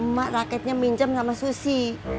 mak rakyatnya minjem sama susi